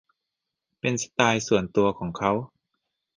เป็นสไตล์ส่วนตัวของเค้า